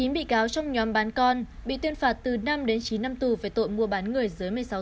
chín bị cao trong nhóm bán con bị tuyên phạt từ năm đến chín năm tù về tội mua bán người dưới một mươi sáu tuổi